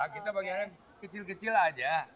kita pengennya kecil kecil aja